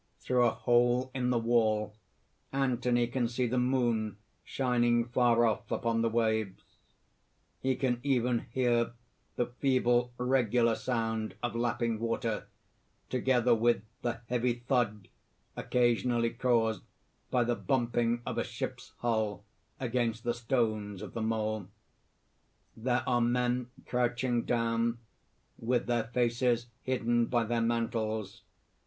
Through a hole in the wall, Anthony can see the moon shining far off upon the waves; he can even hear the feeble regular sound of lapping water; together with the heavy thud occasionally caused by the bumping of a ship's hull against the stones of the mole._ _There are men crouching down, with their faces hidden by their mantles.